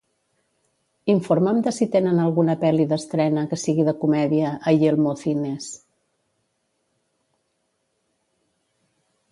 Informa'm de si tenen alguna pel·li d'estrena que sigui de comèdia a Yelmo Cines.